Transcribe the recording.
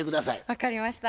分かりました。